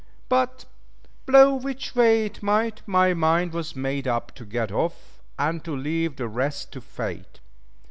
But, blow which way it might, my mind was made up to get off, and to leave the rest to fate.